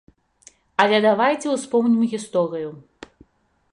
Але давайце ўспомнім гісторыю.